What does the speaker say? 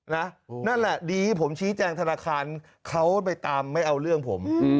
นั่นแหละดีที่ผมชี้แจงธนาคารเขาไปตามไม่เอาเรื่องผม